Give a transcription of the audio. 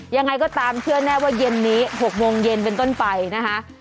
ยังไงก็ตามเชื่อแน่ว่าเย็นนี้๖โมงเย็นเป็นต้นไปนะคะ